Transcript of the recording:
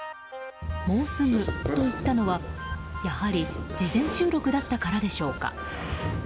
「もうすぐ」と言ったのはやはり事前収録だったからでしょうか。